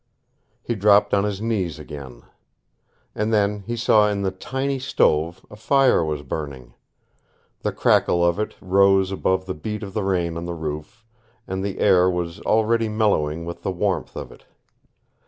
He dropped on his knees again. And then he saw that in the tiny stove a fire was burning. The crackle of it rose above the beat of the rain on the roof, and the air was already mellowing with the warmth of it.